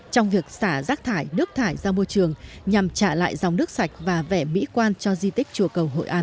trong việc xả rác thải nước thải ra môi trường nhằm trả lại dòng nước sạch và vẻ mỹ quan cho di tích chùa cầu hội an